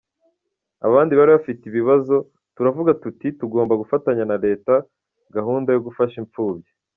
abandi bari bafite ibibazo, turavuga tuti tugomba gufatanya na Leta gahunda yo gufasha impfubyi.